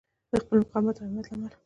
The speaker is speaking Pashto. د خپل مقاومت او همت له امله.